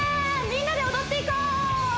みんなで踊っていこう！